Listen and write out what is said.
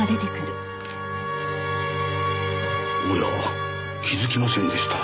おや気づきませんでした。